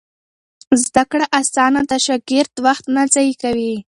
زده کړه اسانه ده، شاګرد وخت نه ضایع کوي.